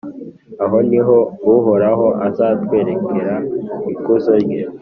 Aho ni ho Uhoraho azatwerekera ikuzo rye,